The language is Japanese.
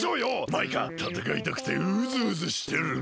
マイカたたかいたくてウズウズしてるの！